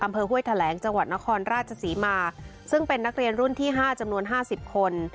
ห้วยแถลงจังหวัดนครราชศรีมาซึ่งเป็นนักเรียนรุ่นที่๕จำนวน๕๐คน